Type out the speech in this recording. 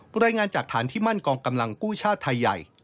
รายงานจากฐานที่มั่นกองกำลังกู้ชาติไทยใหญ่